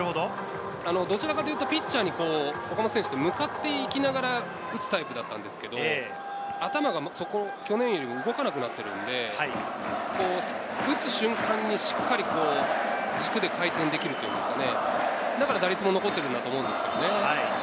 どちらかというとピッチャーに、岡本選手って向かっていきながら打つタイプだったんですけど、頭が去年より動かなくなっているんで、打つ瞬間にしっかり軸で回転できるといいますか、だから打率も残っているんだと思います。